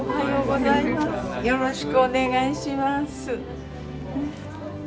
よろしくお願いします。